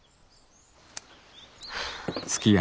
はあ。